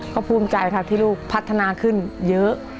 ก็ภูมิใจครับที่ลูกพัฒนาขึ้นเยอะ